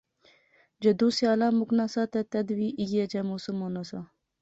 جدوں سیالا مُکنا سا تہ تد وی ایہھے جیا کی موسم ہونا سا